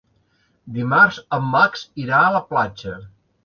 Dimarts en Max irà a la platja.